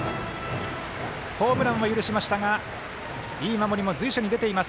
ホームランを許しましたがいい守りも随所に出ています。